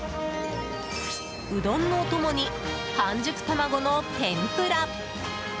うどんのお供に半熟卵の天ぷら。